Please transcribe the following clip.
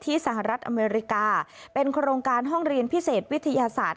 สหรัฐอเมริกาเป็นโครงการห้องเรียนพิเศษวิทยาศาสตร์